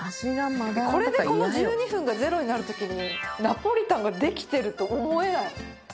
これでこの１２分が０になる時にナポリタンができてると思えない！